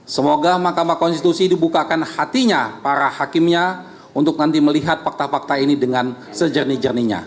semoga mahkamah konstitusi dibukakan hatinya para hakimnya untuk nanti melihat fakta fakta ini dengan sejernih jernihnya